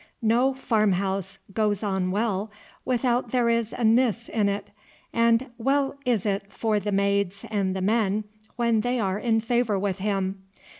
No farm house goes on well without there is a Nis in it, and well is it for the maids and the men when they are in favour with him.